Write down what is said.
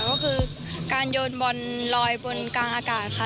ก็คือการโยนบอลลอยบนกลางอากาศค่ะ